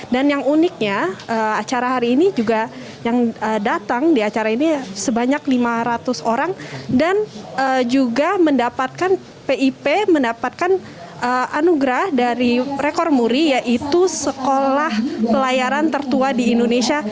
dan yang uniknya acara hari ini juga yang datang di acara ini sebanyak lima ratus orang dan juga mendapatkan pip mendapatkan anugerah dari rekor muri yaitu sekolah pelayaran tertua di indonesia